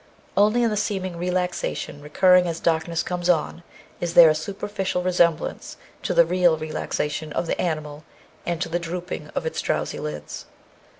Only in the seeming relaxation recurring as darkness comes on is there a superficial resemblance to the real relaxation of the animal and to the droop ing of its drowsy lids.